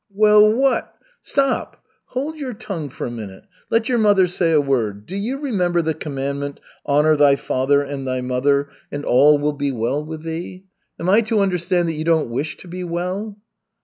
"Well, what " "Stop! Hold your tongue for a minute. Let your mother say a word. Do you remember the commandment, 'Honor thy father and thy mother, and all will be well with thee?' Am I to understand that you don't wish to be well?"